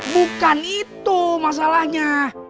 bukan itu masalahnya